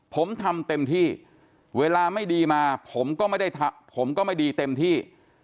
ผมทำเต็มที่เวลาไม่ดีมาผมก็ไม่ได้เต็มที่